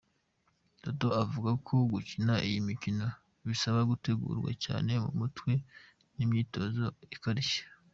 Dodo avuga ko gukina iyi mikino bisaba gutegurwa cyane mu mutwe n’imyitozo ikarishye.